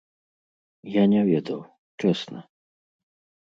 Я не ведаў, чэсна.